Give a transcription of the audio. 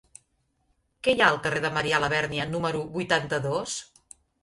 Què hi ha al carrer de Marià Labèrnia número vuitanta-dos?